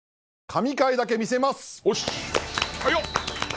『神回だけ見せます！』。